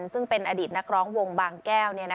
ซึ่งเป็นอดีตนักร้องวงบางแก้ว